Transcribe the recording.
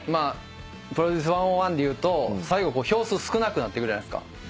『ＰＲＯＤＵＣＥ１０１』でいうと最後票数少なくなっていくじゃないですか。